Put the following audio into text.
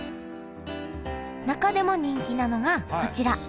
中でも人気なのがこちら。